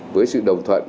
với sự đồng thuận